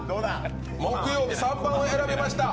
木曜日３番を選びました。